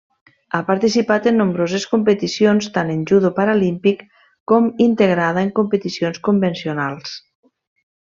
Ha participat en nombroses competicions tant en judo paralímpic com integrada en competicions convencionals.